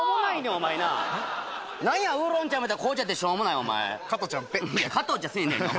お前ななんやウーロン茶思たら紅茶ってしょうもないお前加トちゃんペッ加トちゃんせえへんでええ